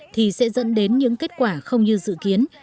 thì sẽ dẫn đến những kết quả không như dự kiến